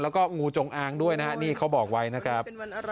แล้วก็งูจงอางด้วยนะฮะนี่เขาบอกไว้นะครับ